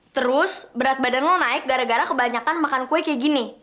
terus berat badan lo naik gara gara kebanyakan makan kue kayak gini